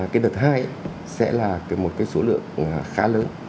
cái đợt hai ấy sẽ là một số lượng khá lớn